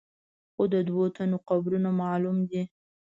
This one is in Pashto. خو د دوو تنو قبرونه معلوم دي.